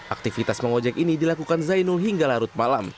aktivitas pengojek ini dilakukan zainul hingga larut malam